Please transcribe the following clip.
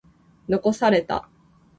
残された。